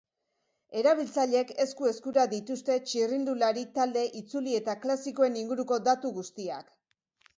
Erabiltzaileek esku-eskura dituzte txirrindulari, talde, itzuli eta klasikoen inguruko datu guztiak.